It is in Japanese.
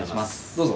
どうぞ。